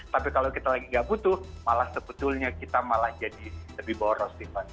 tapi kalau kita lagi nggak butuh malah sebetulnya kita malah jadi lebih boros tiffany